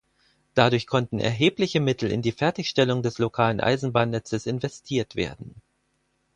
Dadurch konnten erhebliche Mittel in die Fertigstellung des lokalen Eisenbahnnetzes investiert werden.